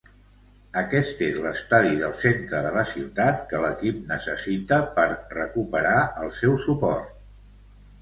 Aquest es l'estadi del centre de la ciutat que l'equip necessita per recupera el seu suport.